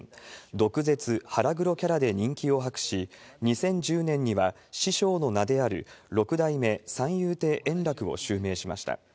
毒舌、腹黒キャラで人気を博し、２０１０年には、師匠の名である６代目三遊亭円楽を襲名しました。